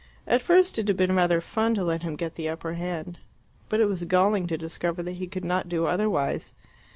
At first it had been rather fun to let him get the upper hand. But it was galling to discover that he could not do otherwise.